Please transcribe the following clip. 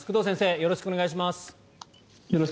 よろしくお願いします。